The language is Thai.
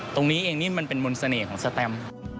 ตรงนี้เองนี่มันเป็นมนต์เสน่ห์ของสแตม